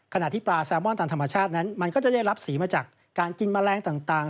ที่ปลาแซลมอนตามธรรมชาตินั้นมันก็จะได้รับสีมาจากการกินแมลงต่าง